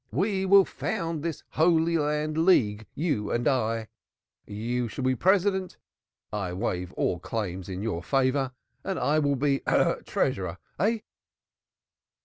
We will found this Holy Land League, you and I. You shall be President I waive all claims in your favor and I will be Treasurer. Hey?"